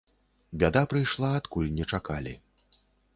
Бяда прыйшла адкуль не чакалі.